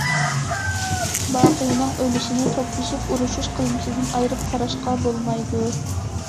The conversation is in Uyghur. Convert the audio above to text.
باقىنىڭ ئۆلۈشىنى توپلىشىپ ئۇرۇشۇش قىلمىشىدىن ئايرىپ قاراشقا بولمايدۇ.